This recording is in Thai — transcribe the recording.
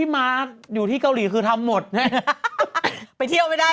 ไม่ใช่